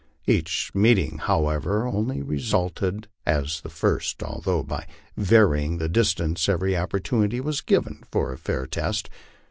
Each meeting, however, only resulted as the first, although by varying the distance every opportunity was given for a fair test.